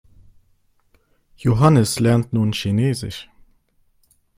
Johannes lernt nun Chinesisch.